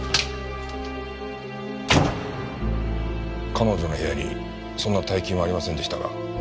彼女の部屋にそんな大金はありませんでしたが。